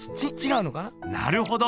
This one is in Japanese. なるほど。